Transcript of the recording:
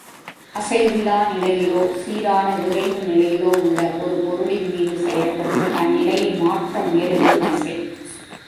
அசைவிலா நிலையிலோ சீரான விரைவு நிலையிலோ உள்ள ஒரு பொருளின் மீது செயற்பட்டு, அந்நிலையை மாற்ற முயலுவது விசை.